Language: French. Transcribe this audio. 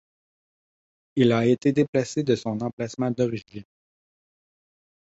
Il a été déplacé de son emplacement d'origine.